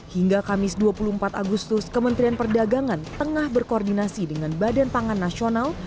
hingga kamis dua puluh empat agustus kementerian perdagangan tengah berkoordinasi dengan badan pangan nasional